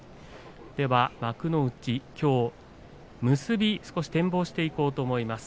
幕内、きょう結び展望していこうと思います。